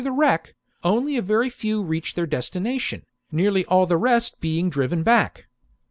c. the wreck, only a very few reached their destina tion, nearly all the rest being driven back.